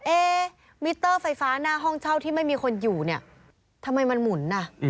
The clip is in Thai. เอมิเตอร์ไฟฟ้าหน้าห้องเช่าที่ไม่มีคนอยู่เนี่ยทำไมมันหมุนอ่ะ